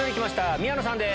宮野さんです。